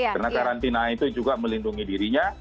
karena karantina itu juga melindungi dirinya